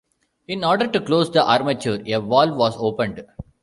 In order to close the armature a valve was opened.